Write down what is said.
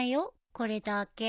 これだけ。